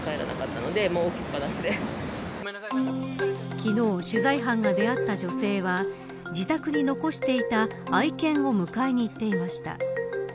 昨日、取材班が出会った女性は自宅に残していた愛犬を迎えに行っていました。